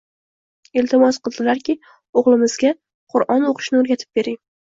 Iltimos qildilarki, o‘g‘limizga Qur'on o‘qishni o‘rgatib bering